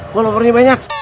gue lopornya banyak